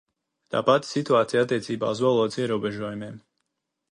Tā pati situācija attiecībā uz valodas ierobežojumiem.